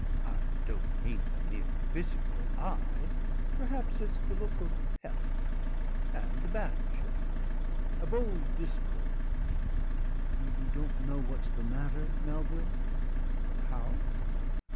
"I don't mean the mere physical eye.... Perhaps it's the look of health and the bath chair. A bold discord. You don't know what's the matter, Melville?" "How?"